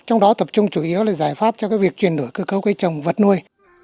trong đó tập trung chủ yếu là giải pháp cho việc chuyển đổi cơ cấu cây trồng vật nuôi